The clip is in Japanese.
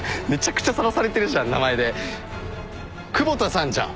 久保田さんじゃん。